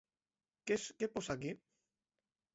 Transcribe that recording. Què posa aquí?